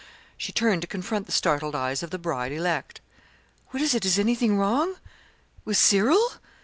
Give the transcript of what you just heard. She turned to confront the startled eyes of the bride elect. "What is it? Is anything wrong with Cyril?"